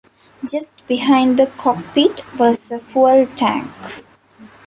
Just behind the cockpit was a fuel tank.